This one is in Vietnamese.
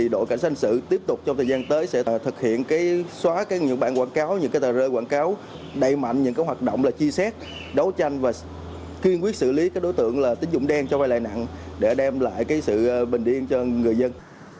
đội cảnh sản sự tiếp tục trong thời gian tới sẽ xóa những bản quảng cáo những tờ rơi quảng cáo đầy mạnh những hoạt động chi xét đấu tranh và khuyên quyết xử lý đối tượng tính dụng đen cho vai lãi nặng để đem lại sự bình yên cho người dân